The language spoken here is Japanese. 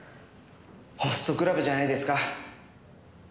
ホストクラブじゃないですか？